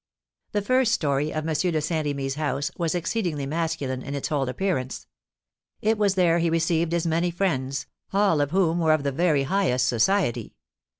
The first story of M. de Saint Remy's house was exceedingly masculine in its whole appearance. It was there he received his many friends, all of whom were of the very highest society.